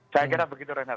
saya kira begitu renard